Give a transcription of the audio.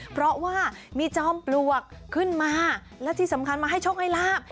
เพราะว่ามีจอมปลวกขึ้นมาและที่สำคัญมาให้โชคให้ลาบ